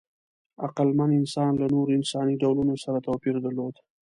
عقلمن انسانان له نورو انساني ډولونو سره توپیر درلود.